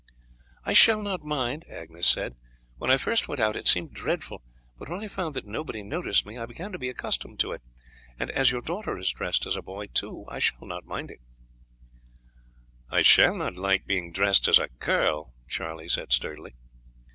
"I shall not mind," Agnes said. "When I first went out it seemed dreadful, but when I found that nobody noticed me I began to be accustomed to it, and as your daughter is dressed as a boy too I shall not mind it." "I shall not like being dressed as a girl," Charlie said sturdily.